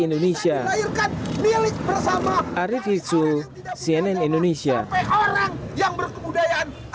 indonesia melahirkan milik bersama arief hisul cnn indonesia orang yang berkemudayaan